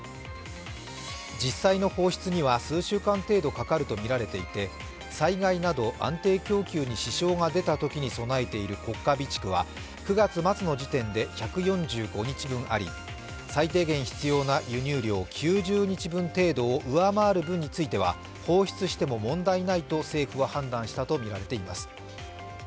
実際の放出には数週間程度かかるとみられていて災害など安定供給に支障が出たときに備えている国家備蓄は９月末の時点で１４５日分あり、最低限必要な輸入量９０日分程度を上回る分については放出しても問題ないと政府は判断したとみられています。